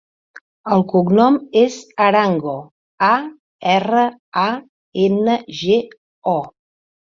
El cognom és Arango: a, erra, a, ena, ge, o.